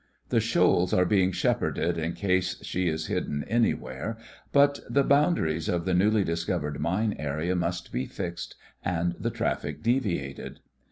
The shoals are being shepherded in case she is hidden anywhere, but the boundaries of the newly discov vered mine area must be fixed and the traffic deviated.